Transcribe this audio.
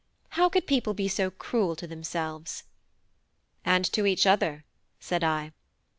How could people be so cruel to themselves?" "And to each other," said I.